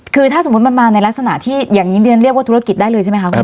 คือถ้าสมมุติมันมาในลักษณะที่อย่างนี้เรียนเรียกว่าธุรกิจได้เลยใช่ไหมคะคุณ